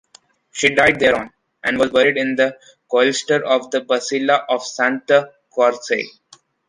She died there on(...) and was buried in the cloister of the Basilica of Santa Croce.